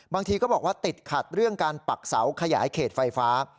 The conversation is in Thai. บางทีก็บอกว่าติดขัดเรื่องการปักเสาขยายเขตไฟฟ้า